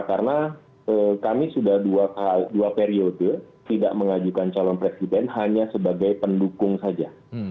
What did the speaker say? karena kami sudah dua periode tidak mengajukan calon presiden hanya sebagai pendukung saja